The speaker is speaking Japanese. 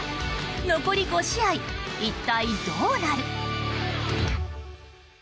残り５試合、一体どうなる？